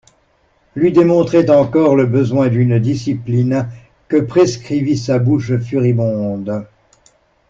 Lui démontrait encore le besoin d'une discipline que prescrivit sa bouche furibonde.